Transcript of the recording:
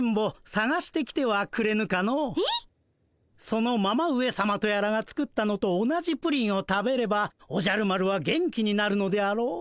そのママ上さまとやらが作ったのと同じプリンを食べればおじゃる丸は元気になるのであろう。